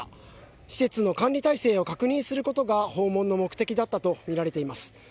施設の管理体制を確認することが訪問の目的だったとみられています。